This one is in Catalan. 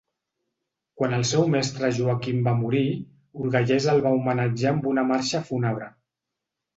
Quan el seu mestre Joaquim va morir, Urgellès el va homenatjar amb una marxa fúnebre.